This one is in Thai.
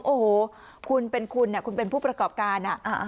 โอ้โหคุณเป็นคุณคุณเป็นผู้ประกอบการ